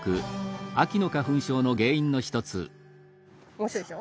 面白いでしょ。